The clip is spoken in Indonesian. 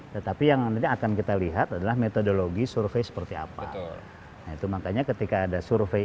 tetapi yang nantinya akan kita lihat adalah metodologi survei seperti apa itu makanya ketika ada survei